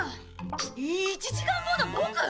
１時間後のボク！？